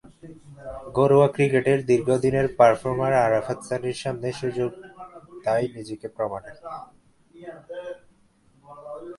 ঘরোয়া ক্রিকেটের দীর্ঘদিনের পারফর্মার আরাফাত সানির সামনে সুযোগ তাই নিজেকে প্রমাণের।